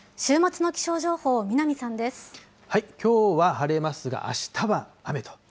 きょうは晴れますが、あしたは雨と。